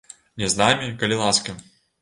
Не з намі, калі ласка.